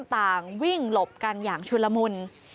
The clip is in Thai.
ต่างวิ่งหลบกันอย่างชุลมุน